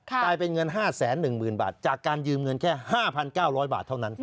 ค่ะจากการยืมเงินแค่๕๙๐๐บาทเท่านั้นครับตายเป็นเงิน๕๑๐๐๐๐๐บาท